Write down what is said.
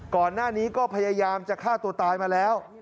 ก่อนหน้านี้ก็พยายามจะฆ่าตัวตายมาแล้ว